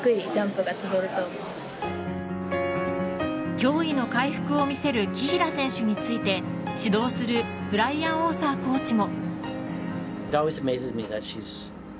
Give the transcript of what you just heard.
驚異の回復を見せる紀平選手について指導するブライアン・オーサーコーチも。